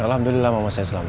alhamdulillah mama saya selamat